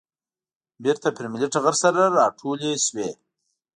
بېرته پر ملي ټغر سره راټولې شوې.